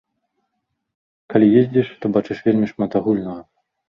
Калі ездзіш, то бачыш вельмі шмат агульнага.